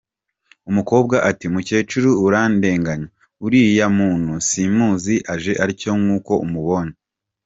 Umukobwa ati "Mukecuru urandenganya! Uriya muntu simuzi, aje atyo nk’uko umubonye!".